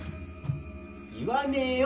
言わねえよ